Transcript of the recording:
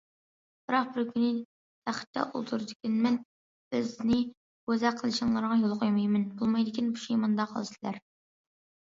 بىراق بىر كۈن تەختتە ئولتۇرىدىكەنمەن، بىزنى بوزەك قىلىشىڭلارغا يول قويمايمەن، بولمايدىكەن پۇشايماندا قالىسىلەر.